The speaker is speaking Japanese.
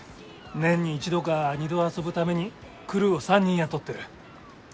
年に１度か２度遊ぶためにクルーを３人雇ってる。